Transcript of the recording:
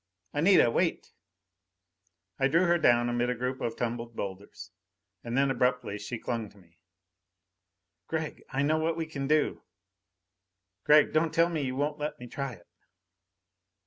"Anita, wait!" I drew her down amid a group of tumbled boulders. And then abruptly she clung to me. "Gregg, I know what we can do! Gregg, don't tell me you won't let me try it!"